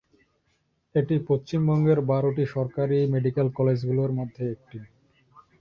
এটি পশ্চিমবঙ্গের বারোটি সরকারি মেডিকেল কলেজগুলির মধ্যে একটি।